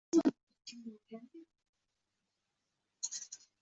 — bu eng yuqori natija bo‘lib, bunday tezlikda, odatda